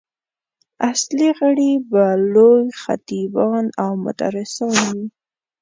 اصلي غړي به لوی خطیبان او مدرسان وي.